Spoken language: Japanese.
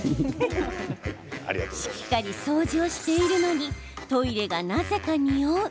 しっかり掃除をしているのにトイレがなぜか、におう。